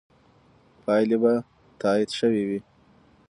پایلې به تایید شوې وي.